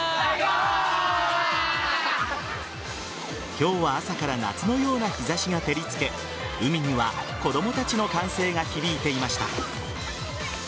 今日は朝から夏のような日差しが照りつけ海には子供たちの歓声が響いていました。